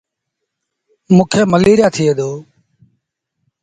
موݩ کي مليٚريآ ٿئي دو۔